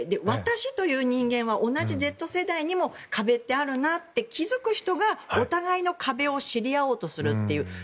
私という人間は同じＺ世代にも壁ってあるなって気づく人がお互いの壁を知り合おうとするっていう。